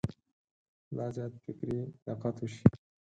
لا زیات فکري دقت وشي.